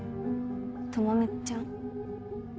朋美ちゃん？